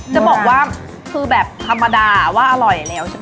จะบอกว่าคือแบบธรรมดาว่าอร่อยแล้วใช่ไหม